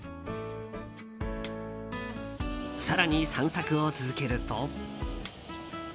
更に散策を続けると。